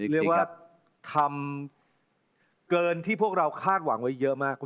เรียกว่าทำเกินที่พวกเราคาดหวังไว้เยอะมาก